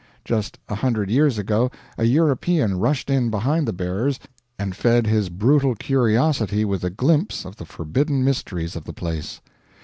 Just a hundred years ago a European rushed in behind the bearers and fed his brutal curiosity with a glimpse of the forbidden mysteries of the place.